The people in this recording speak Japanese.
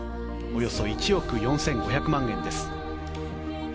およそ１億４５００万円です。